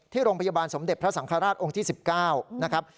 โรงพยาบาลสมเด็จพระสังฆราชองค์ที่๑๙นะครับ